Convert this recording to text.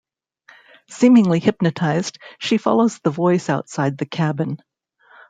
Seemingly hypnotized, she follows the voice outside the cabin.